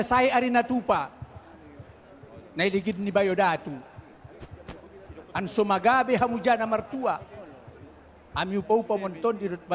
kepada datu pangupa